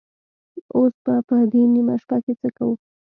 اوس به په دې نيمه شپه کې څه کوو؟